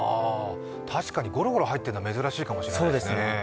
確かにゴロゴロ入っているのは珍しいかもしれないですね。